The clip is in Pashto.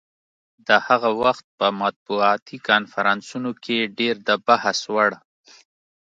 د هغه وخت په مطبوعاتي کنفرانسونو کې ډېر د بحث وړ.